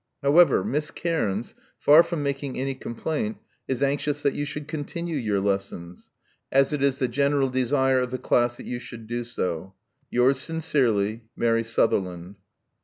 However, Miss Cairns, far from making any complaint, is anxious that you should continue your lessons, as it is the general desire of the class that you should do so. Yours sincerely, '*Mary Sutherland."